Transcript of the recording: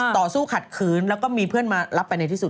ต่อสู้ขัดขืนแล้วก็มีเพื่อนมารับไปในที่สุด